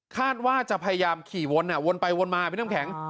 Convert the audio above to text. คาดว่าจะพยายามขี่วนวนไปวนมาพี่น้ำแข็ง